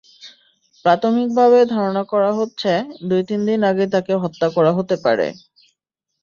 প্রাথমিকভাবে ধারণা করা হচ্ছে, দুই-তিন দিন আগে তাঁকে হত্যা করা হতে পারে।